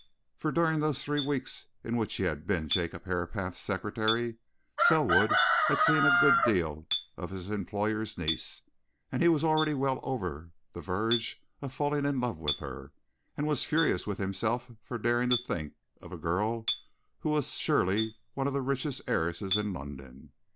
For during those three weeks in which he had been Jacob Herapath's secretary, Selwood had seen a good deal of his employer's niece, and he was already well over the verge of falling in love with her, and was furious with himself for daring to think of a girl who was surely one of the richest heiresses in London.